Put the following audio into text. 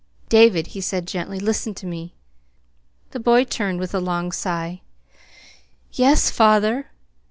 "David," he said gently. "Listen to me." The boy turned with a long sigh. "Yes, father."